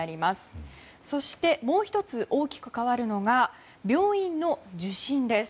そして、もう１つ大きく変わるのが病院の受診です。